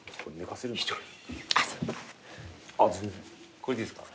これでいいですか？